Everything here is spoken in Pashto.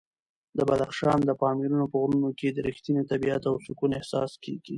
د بدخشان د پامیر په غرونو کې د رښتیني طبیعت او سکون احساس کېږي.